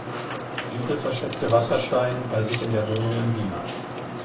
Diese versteckte Wasserstein bei sich in der Wohnung in Wien.